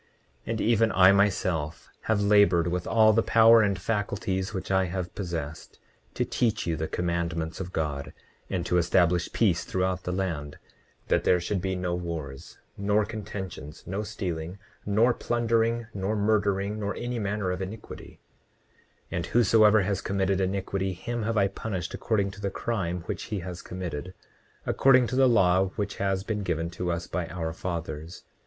29:14 And even I myself have labored with all the power and faculties which I have possessed, to teach you the commandments of God, and to establish peace throughout the land, that there should be no wars nor contentions, no stealing, nor plundering, nor murdering, nor any manner of iniquity; 29:15 And whosoever has committed iniquity, him have I punished according to the crime which he has committed, according to the law which has been given to us by our fathers.